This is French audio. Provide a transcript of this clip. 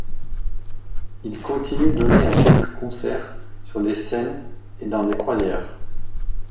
Il continue donner à quelques concerts sur des scènes et dans des croisières.